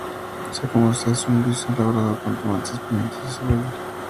Sea como sea, es un guiso elaborado con tomates, pimientos y cebolla.